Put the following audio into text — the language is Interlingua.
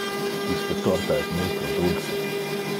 Iste torta es multo dulce.